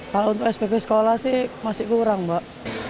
kalau untuk spp sekolah sih masih kurang mbak